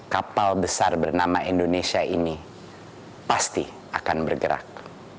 kapal besar bernama indonesia ini pasti akan bergerak